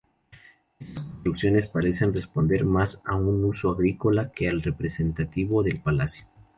Estas construcciones parecen responder más a un uso agrícola que al representativo del palacio.